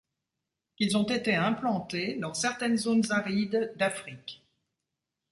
Ils ont été implantés dans certaines zones arides d'Afrique.